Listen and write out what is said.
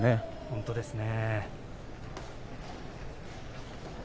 本当ですね。